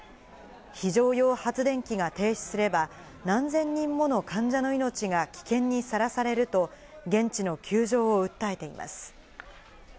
非常用発電機が停止すれば、何千人もの患者の命が危険にさらされると現地の窮状を訴えています。